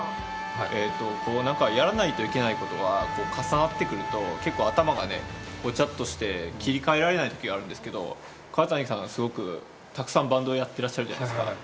やらないといけないことが重なってくると頭がゴチャっとして切り替えられない時があるんですけど、川谷さん、すごくたくさんバンドをやってらっしゃるじゃないですか。